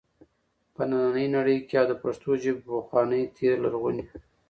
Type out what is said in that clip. په ننی نړۍ کي او د پښتو ژبي په پخواني تیر لرغوني